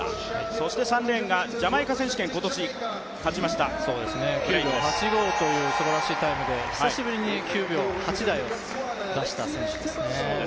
そして３レーンがジャマイカ選手権今年勝ちました９秒８５というすばらしいタイムで久しぶりに９秒８台を出した選手ですね。